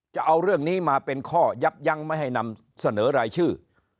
จะเอาเรื่องนี้มาเป็นข้อยับยั้งไม่ให้นำเสนอรายชื่อ